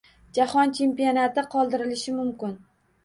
Jahon chempionati qoldirilishi mumkin